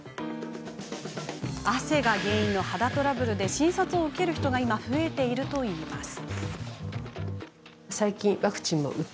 汗が原因の肌トラブルで診察を受ける人が今増えているといいます。